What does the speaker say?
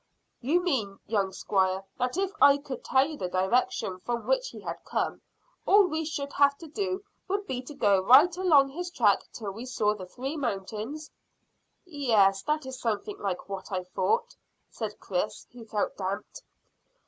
"You meant, young squire, that if I could tell you the direction from which he had come, all we should have to do would be to go right along his track till we saw the three mountains?" "Yes, that is something like what I thought," said Chris, who felt damped.